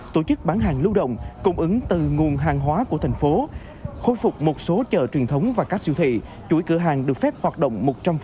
tổ chức bán hàng lưu động cung ứng từ nguồn hàng hóa của thành phố khôi phục một số chợ truyền thống và các siêu thị chuỗi cửa hàng được phép hoạt động một trăm linh